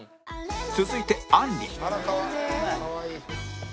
続いてあんり